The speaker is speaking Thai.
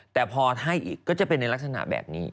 แต่พอให้อีกก็จะเป็นในลักษณะแบบนี้